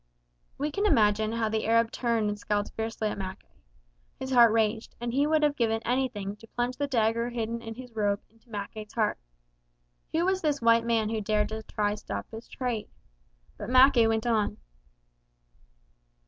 '" We can imagine how the Arab turned and scowled fiercely at Mackay. His heart raged, and he would have given anything to plunge the dagger hidden in his robe into Mackay's heart. Who was this white man who dared to try to stop his trade? But Mackay went on.